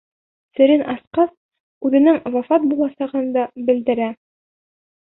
Серен асҡас, үҙенең вафат буласағын да белдерә.